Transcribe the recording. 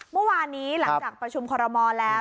เมื่อวานนี้หลังจากประชุมคอรมอลแล้ว